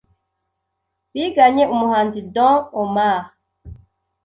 biganye umuhanzi Don Omar